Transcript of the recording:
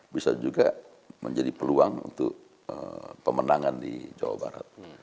bisa juga menjadi peluang untuk pemenangan di jawa barat